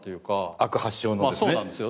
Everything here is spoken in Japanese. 悪発祥のですね？